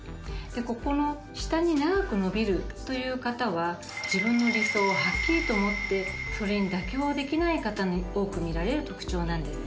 ここの下に長く伸びるという方は自分の理想をはっきりと持ってそれに妥協できない方に多く見られる特徴なんです。